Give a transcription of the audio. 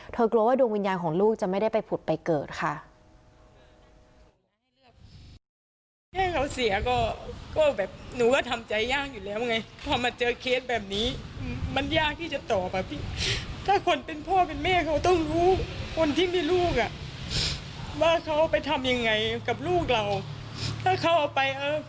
กลัวว่าดวงวิญญาณของลูกจะไม่ได้ไปผุดไปเกิดค่ะ